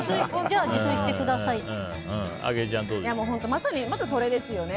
まさに、まずそれですよね。